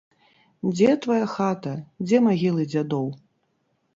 Дзе твая хата, дзе магілы дзядоў?